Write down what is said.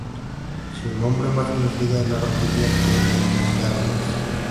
Su obra más conocida es La família dels Garrigas.